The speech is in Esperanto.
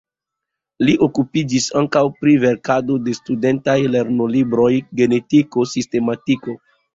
Li okupiĝis ankaŭ pri verkado de studentaj lernolibroj, genetiko, sistematiko.